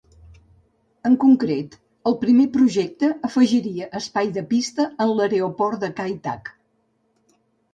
En concret, el primer projecte afegiria espai de pista en l'aeroport de Kai Tak.